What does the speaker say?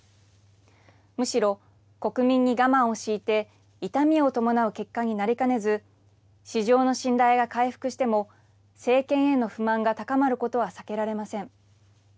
むしろ、国民に我慢を強いて、痛みを伴う結果になりかねず、市場の信頼が回復しても、政権への不満が高まることは避けられません。